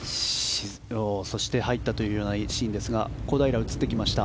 そして入ったというようなシーンですが小平、映ってきました。